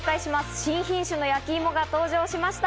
新品種の焼き芋が登場しました。